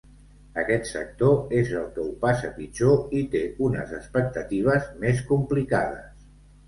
Aquest sector és el que ho passa pitjor i té unes expectatives més complicades.